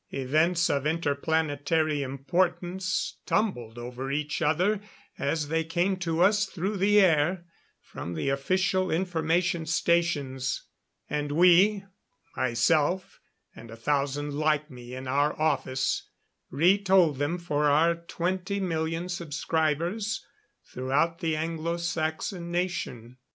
Events of inter planetary importance tumbled over each other as they came to us through the air from the Official Information Stations. And we myself and a thousand like me in our office retold them for our twenty million subscribers throughout the Anglo Saxon Nation.